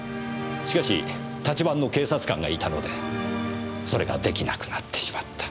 しかし立番の警察官がいたのでそれが出来なくなってしまった。